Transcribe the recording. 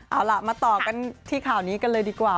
เอาล่ะมาต่อกันที่ข่าวนี้กันเลยดีกว่า